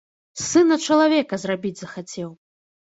З сына чалавека зрабіць захацеў.